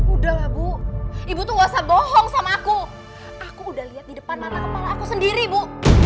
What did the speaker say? udah lah ibu ibu tuh gak usah bohong sama aku aku udah liat di depan mata kepala aku sendiri ibu